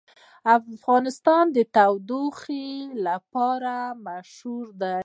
افغانستان د تودوخه لپاره مشهور دی.